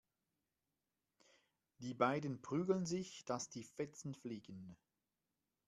Die beiden prügeln sich, dass die Fetzen fliegen.